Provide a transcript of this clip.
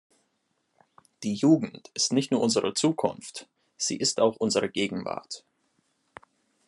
Die Jugend ist nicht nur unsere Zukunft, sie ist auch unsere Gegenwart.